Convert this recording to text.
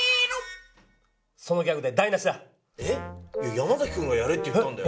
山崎くんがやれって言ったんだよ。